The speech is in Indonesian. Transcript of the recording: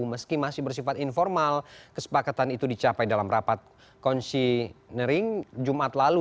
meski masih bersifat informal kesepakatan itu dicapai dalam rapat konsinering jumat lalu